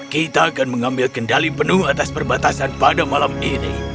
kita akan mengambil kendali penuh atas perbatasan pada malam ini